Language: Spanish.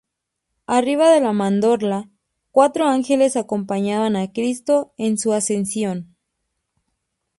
Arriba de la mandorla, cuatro ángeles acompañan a Cristo en su ascensión.